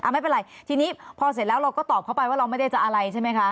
ไม่เป็นไรทีนี้พอเสร็จแล้วเราก็ตอบเข้าไปว่าเราไม่ได้จะอะไรใช่ไหมคะ